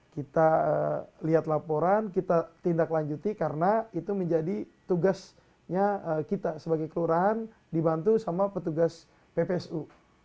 kita lihat laporan kita tindak lanjuti karena itu menjadi tugasnya kita sebagai kelurahan dibantu sama petugas ppsu